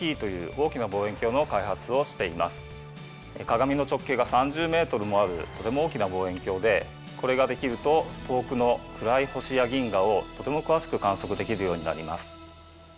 鏡の直径が３０ｍもあるとても大きな望遠鏡でこれができると遠くの暗い星や銀河をとても詳しく観測できるようになります。